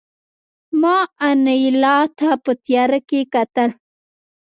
ما انیلا ته په تیاره کې کتل